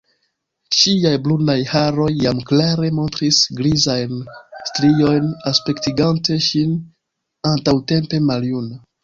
Ŝiaj brunaj haroj jam klare montris grizajn striojn, aspektigante ŝin antaŭtempe maljuna.